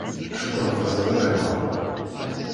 Cukkeɣ teẓriḍ ayɣer.